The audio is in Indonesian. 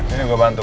sini gue bantu